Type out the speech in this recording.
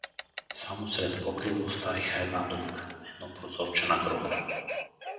Само сред покрива оставиха една дупка — едно прозорче на гроба.